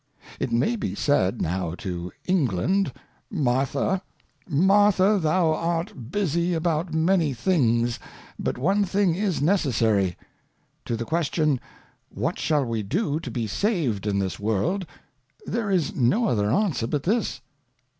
It may be said now to England, Martha, Martha, thou art busy about many things, but one thing is necessary. To the Question, What shall we do to be saved in this WorldJ there is no other Answer but this.